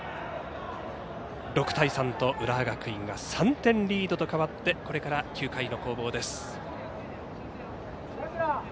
６対３と、浦和学院が３点リードと変わってこれから９回の攻防です。